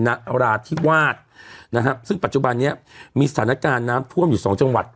นราธิวาสนะฮะซึ่งปัจจุบันนี้มีสถานการณ์น้ำท่วมอยู่สองจังหวัด